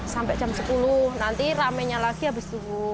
sampai jam sepuluh nanti ramenya lagi habis suhu